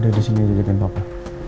udah disini aja jadikan papa